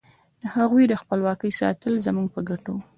د هغوی د خپلواکۍ ساتل زموږ په ګټه وو.